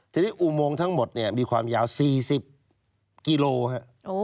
ทีนี้อุโมงทั้งหมดเนี่ยมีความยาว๔๐กิโลครับ